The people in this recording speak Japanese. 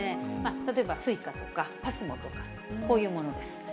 例えばＳｕｉｃａとかＰＡＳＭＯとか、こういうものです。